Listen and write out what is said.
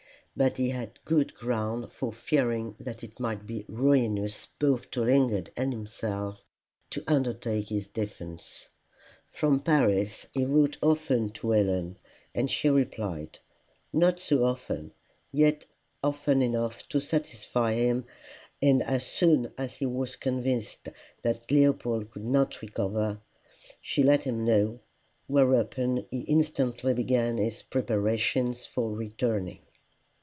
But he had good ground for fearing that it might be ruinous both to Lingard and himself to undertake his defence. From Paris he wrote often to Helen, and she replied not so often, yet often enough to satisfy him; and as soon as she was convinced that Leopold could not recover, she let him know, whereupon he instantly began his preparations for returning.